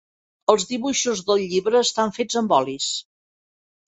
Els dibuixos del llibre estan fets amb olis.